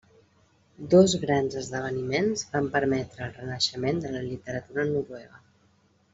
Dos grans esdeveniments van permetre el renaixement de la literatura noruega.